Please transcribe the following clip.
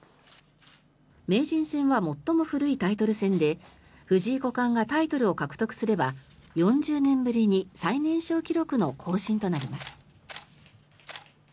名人戦は最も古いタイトル戦で藤井五冠がタイトルを獲得すれば４０年ぶりに最年少記録の更新となります。